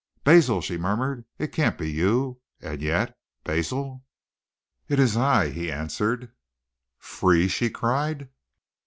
"Basil!" she murmured. "It can't be you! And yet Basil!" "It is I," he answered. "Free?" she cried.